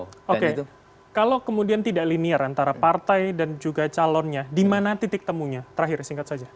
oke kalau kemudian tidak linear antara partai dan juga calonnya di mana titik temunya terakhir singkat saja